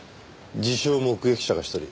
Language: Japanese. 自称目撃者が１人。